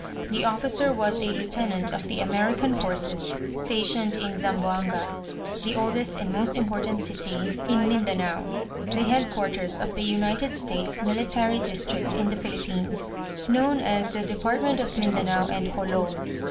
The officer was a lieutenant of the American forces stationed in Zamboanga, the oldest and most important city in Mindanao, the headquarters of the United States military district in the Philippines known as the Department of Mindanao and Jolo.